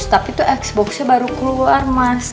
tapi itu x boxnya baru keluar mas